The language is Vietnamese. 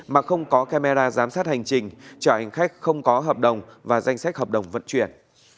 mà không có camera giám sát hành trình chở hành khách không có hợp đồng và danh sách hợp đồng vận chuyển